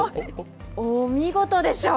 お見事でしょう。